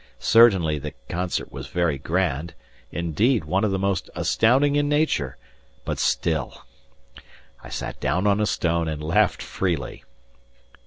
Certainly the concert was very grand indeed, one of the most astounding in nature but still I sat down on a stone and laughed freely.